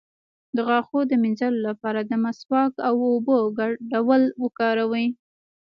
د غاښونو د مینځلو لپاره د مسواک او اوبو ګډول وکاروئ